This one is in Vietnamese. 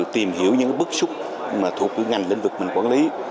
tìm hiểu những bức xúc mà thuộc ngành lĩnh vực mình quản lý